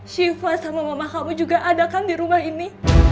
siva sama mama kamu juga ada kan di rumah ini